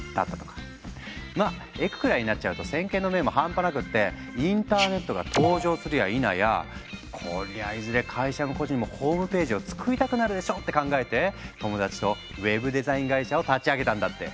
まあエクくらいになっちゃうと先見の明も半端なくってインターネットが登場するやいなや「こりゃいずれ会社も個人もホームページを作りたくなるでしょ」って考えて友達とウェブデザイン会社を立ち上げたんだって。